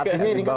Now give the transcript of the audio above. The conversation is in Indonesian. artinya ini kan